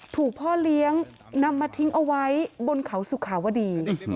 ถูกพ่อเลี้ยงนำมาทิ้งเอาไว้บนเขาสุขาวดี